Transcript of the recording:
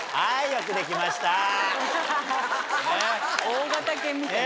大型犬みたい。